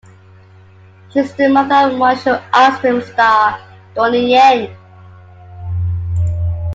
She is the mother of martial arts film star, Donnie Yen.